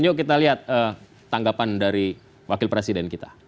yuk kita lihat tanggapan dari wakil presiden kita